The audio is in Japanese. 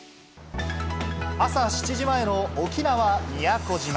朝７時前の沖縄・宮古島。